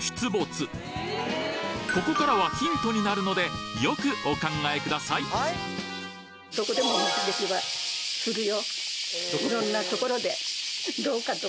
ここからはヒントになるのでよくお考えください廊下？